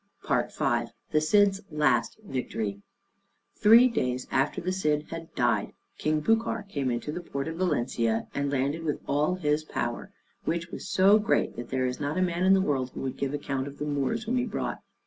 V THE CID'S LAST VICTORY Three days after the Cid had died King Bucar came into the port of Valencia, and landed with all his power, which was so great that there is not a man in the world who could give account of the Moors whom he brought.